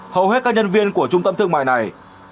hầu hết các nhân viên của trung tâm thương mại này